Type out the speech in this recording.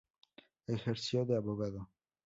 Ejerció de abogado.